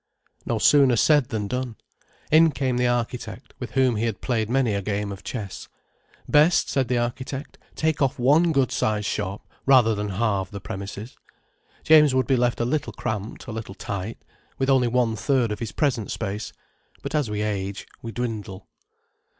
No sooner said than done. In came the architect, with whom he had played many a game of chess. Best, said the architect, take off one good sized shop, rather than halve the premises. James would be left a little cramped, a little tight, with only one third of his present space. But as we age we dwindle.